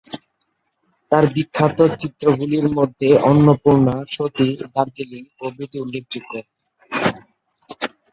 তার বিখ্যাত চিত্রগুলির মধ্যে অন্নপূর্ণা, সতী, দার্জিলিং প্রভৃতি উল্লেখ্য।